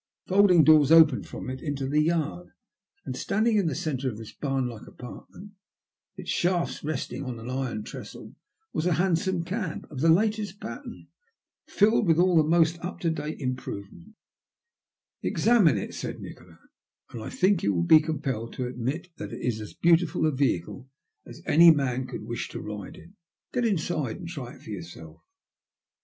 Folding doors opened from it into the yard, and, standing in the centre of this bam like apartment, its shafts resting on an iron trestle, was a hansom cab of the latest pattern, fitted with all the most up to date improvements. 70 THE LUST OF HATE. " Examine it," said Nikola, " and I think you will be compelled to admit that it is as beautiful a vehicle as any man could wish to ride in ; get inside and try it for yourself."